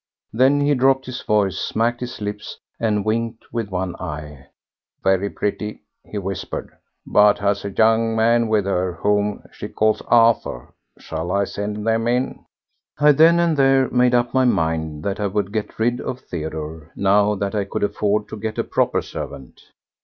Then, he dropped his voice, smacked his lips, and winked with one eye. "Very pretty," he whispered, "but has a young man with her whom she calls Arthur. Shall I send them in?" I then and there made up my mind that I would get rid of Theodore now that I could afford to get a proper servant.